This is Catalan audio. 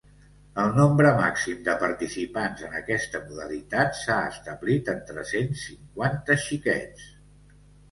El nombre màxim de participants en aquesta modalitat s’ha establit en tres-cents cinquanta xiquets.